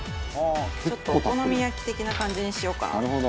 ちょっとお好み焼き的な感じにしようかな。